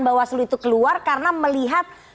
bahwa seluruh itu keluar karena melihat